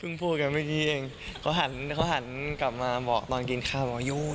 เพิ่งพูดกันเมื่อกี้เองเขาหันกลับมาบอกตอนกินข้าว